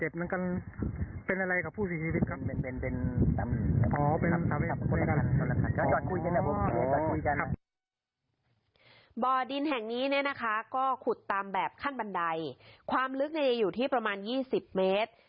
บ่อดินแห่งนี้เนี่ยนะคะก็ขุดตามแบบขั้นบันไดความลึกอยู่ที่ประมาณ๒๐เมตร